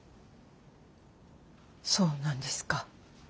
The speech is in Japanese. そうなんですか。